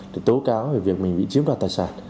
để tố cáo về việc mình bị chiếm đoạt tài sản